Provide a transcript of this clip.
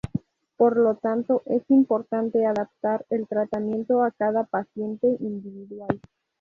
Por lo tanto, es importante adaptar el tratamiento a cada paciente individual.